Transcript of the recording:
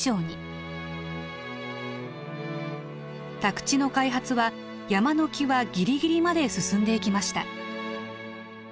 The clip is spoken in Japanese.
宅地の開発は山の際ギリギリまで進んでいきました。